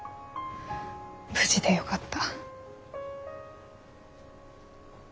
無事でよかった。